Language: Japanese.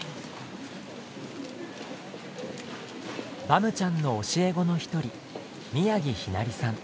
バムちゃんの教え子の一人宮城雛梨さん。